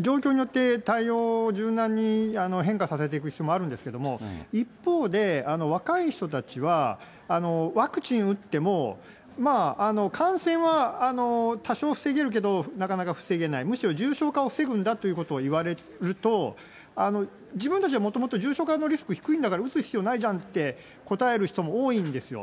状況によって対応を柔軟に変化させていく必要もあるんですけれども、一方で、若い人たちはワクチン打っても感染は多少防げるけど、なかなか防げない、むしろ重症化を防ぐんだということを言われると、自分たちはもともと重症化のリスク低いんだから打つ必要ないじゃんって、答える人も多いんですよ。